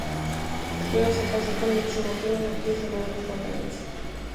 Luego se casó con Mitzi Martin, una actriz y modelo estadounidense.